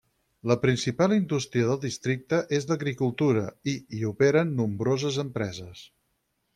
La principal indústria del districte és l'agricultura i hi operen nombroses empreses.